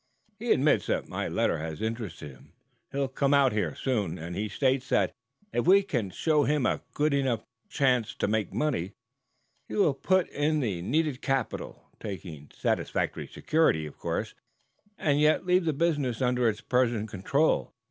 He admits that my letter has interested him. He'll come here, soon, and he states that, if we can show him a good enough chance to make money he will put in the needed capital, taking satisfactory security, and yet leave the business under its present control.